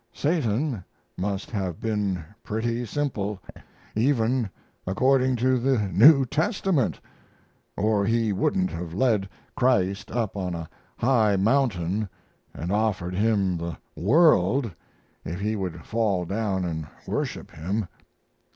Satan must have been pretty simple, even according to the New Testament, or he wouldn't have led Christ up on a high mountain and offered him the world if he would fall down and worship him.